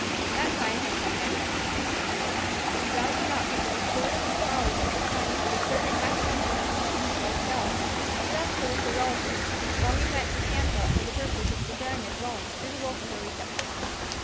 That time had now come. And doubting not that the restorative powers of the climate would exert a happy influence upon his wife's health, he left her with her relatives, while he went to Tampa for the purpose of preparing a dwelling suitable for her reception.